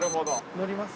乗ります。